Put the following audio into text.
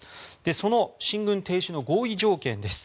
その進軍停止の合意条件です。